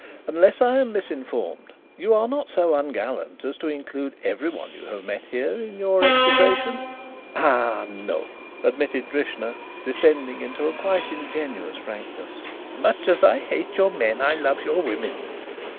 "Unless I am misinformed, you are not so ungallant as to include everyone you have met here in your execration?" "Ah, no," admitted Drishna, descending into a quite ingenuous frankness. "Much as I hate your men I love your women.